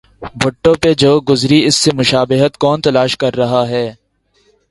بھٹو پہ جو گزری اس سے مشابہت کون تلاش کر رہا ہے؟